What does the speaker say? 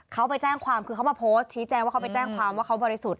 เขาไปแจ้งความคือเขามาโพสต์ชี้แจงว่าเขาไปแจ้งความว่าเขาบริสุทธิ์